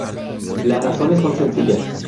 Las razones son sencillas.